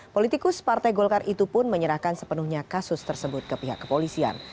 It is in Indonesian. politikus partai golkar itu pun menyerahkan sepenuhnya kasus tersebut ke pihak kepolisian